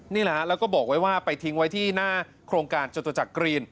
นี่แหละฮะแล้วก็บอกไว้ว่าไปทิ้งไว้ที่หน้าโครงการจตุจักรกรีน